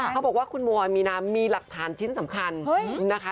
เขาบอกว่าคุณมัวมีน้ำมีหลักฐานชิ้นสำคัญนะคะ